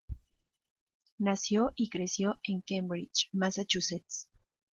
Nació y creció en Cambridge, Massachusetts.